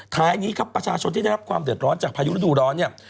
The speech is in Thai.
ท้ายนี้ครับประชาชนที่ได้รับความเดือดร้อนจากพายุฤดูร้อนเนี่ย